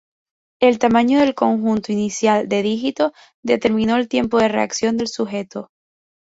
El tamaño del conjunto inicial de dígitos determinó el tiempo de reacción del sujeto.